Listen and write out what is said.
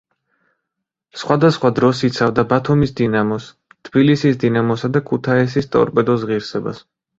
სხვადასხვა დროს იცავდა ბათუმის „დინამოს“, თბილისის „დინამოსა“ და ქუთაისის „ტორპედოს“ ღირსებას.